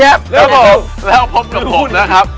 แล้วพบกับผมเราครับ